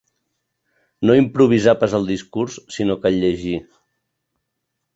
No improvisà pas el discurs, sinó que el llegí.